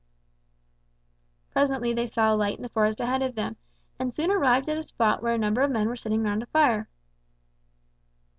Presently they saw a light in the forest ahead of them, and soon arrived at a spot where a number of men were sitting round a fire.